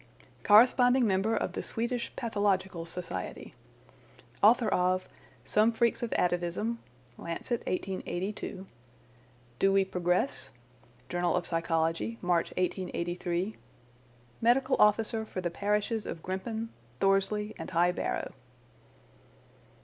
Corresponding member of the Swedish Pathological Society. Author of 'Some Freaks of Atavism' (Lancet 1882). 'Do We Progress?' (Journal of Psychology, March, 1883). Medical Officer for the parishes of Grimpen, Thorsley, and High Barrow."